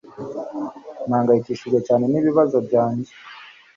mpangayikishijwe cyane n'ibibazo byanjye